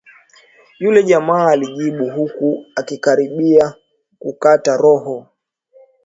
Yule jamaa alijibu huku akikaribia kukata roho